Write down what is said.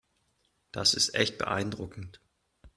Das ist echt beeindruckend.